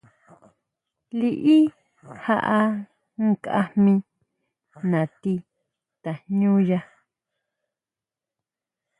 Liʼí jaʼa nkʼa jmí nati tajñúya.